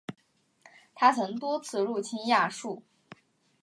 他曾多次入侵亚述。